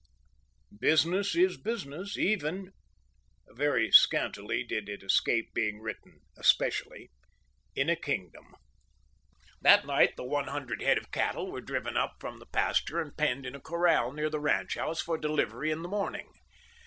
Business is business, even—very scantily did it escape being written "especially"—in a kingdom. That night the 100 head of cattle were driven up from the pasture and penned in a corral near the ranch house for delivery in the morning.